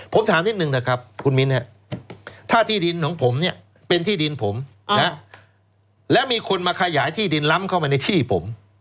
ผมถามนิดนึงนะครับคุณมิ้นถ้าที่ดินของผมเนี่ยเป็นที่ดินผมนะแล้วมีคนมาขยายที่ดินล้ำเข้ามาในที่ผม